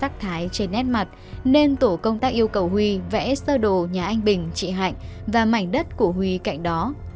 thái trên nét mặt nên tổ công tác yêu cầu huy vẽ sơ đồ nhà anh bình chị hạnh và mảnh đất của huy cạnh đó